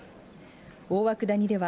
大涌谷では、